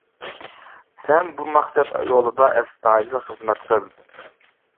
سەن بۇ مەقسەت يولىدا ئەستايىدىل خىزمەت قىل.